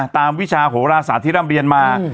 วิชาโหราศาสตร์ที่ร่ำเรียนมา